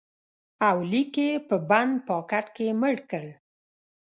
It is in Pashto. اولیک یې په بند پاکټ کې مړ کړ